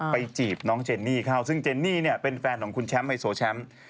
จีบน้องเจนนี่เข้าซึ่งเจนนี่เนี่ยเป็นแฟนของคุณแชมป์ไฮโซแชมป์